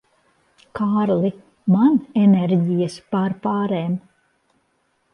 Kārli, man enerģijas pārpārēm.